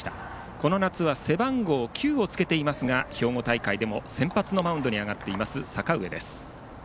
この夏は背番号９を着けていますが兵庫大会でも先発のマウンドに上がっています、阪上です。